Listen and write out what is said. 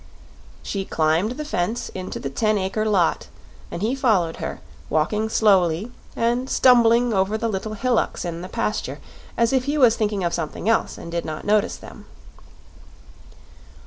She climbed the fence into the ten acre lot and he followed her, walking slowly and stumbling over the little hillocks in the pasture as if he was thinking of something else and did not notice them.